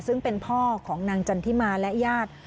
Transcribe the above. ซึ่งเป็นพ่อของนางจันทิมาและญาติ